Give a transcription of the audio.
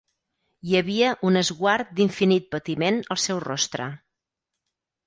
Hi havia un esguard d'infinit patiment al seu rostre.